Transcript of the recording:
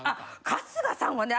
春日さんはね